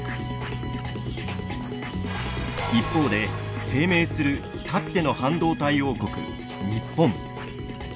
一方で低迷するかつての半導体王国日本。